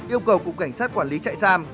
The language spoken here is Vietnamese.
yêu cầu cục cảnh sát quản lý trại sam